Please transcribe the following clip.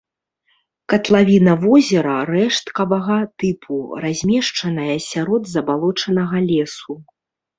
Катлавіна возера рэшткавага тыпу, размешчаная сярод забалочанага лесу.